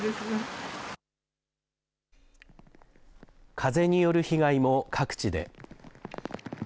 風による被害も各地で。